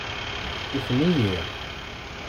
Ifen-iyi.